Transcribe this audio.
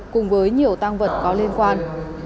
cùng với nhiều tăng vật có liên quan